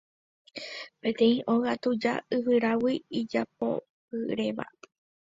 Peteĩ óga tuja yvyrágui ijapopyréva